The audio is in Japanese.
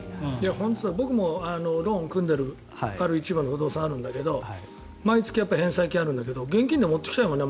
僕もローンを組んでるある一部の不動産があるんだけど毎月、返済金があるんだけど現金で持っていきたいもんね